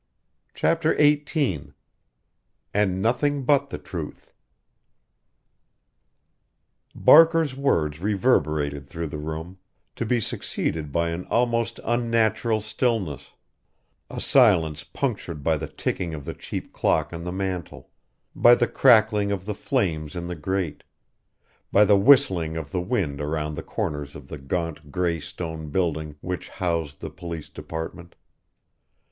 CHAPTER XVIII "AND NOTHING BUT THE TRUTH " Barker's words reverberated through the room to be succeeded by an almost unnatural stillness; a silence punctured by the ticking of the cheap clock on the mantel, by the crackling of the flames in the grate, by the whistling of the wind around the corners of the gaunt gray stone building which housed the police department.